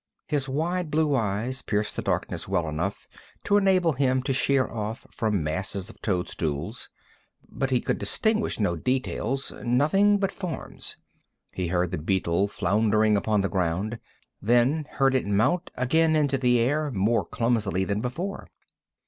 His wide blue eyes pierced the darkness well enough to enable him to sheer off from masses of toadstools, but he could distinguish no details nothing but forms. He heard the beetle floundering upon the ground; then heard it mount again into the air, more clumsily than before.